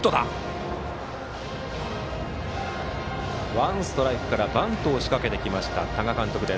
ワンストライクからバントを仕掛けてきた多賀監督。